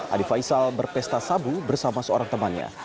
adi faisal berpesta sabu bersama seorang temannya